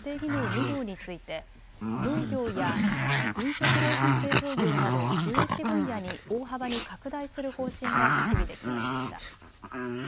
２号について農業や飲食料品製造業など１１分野に大幅に拡大する方針が閣議で決まりました。